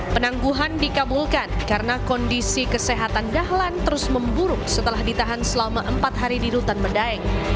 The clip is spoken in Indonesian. penangguhan dikabulkan karena kondisi kesehatan dahlan terus memburuk setelah ditahan selama empat hari di rutan medaeng